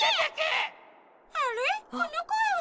あれこのこえは。